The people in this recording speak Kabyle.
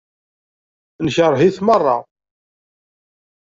Nekṛeh-it meṛṛa.